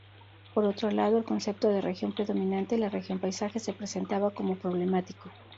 Por otro lado el concepto de región predominante, la región-paisaje, se presentaba como problemático.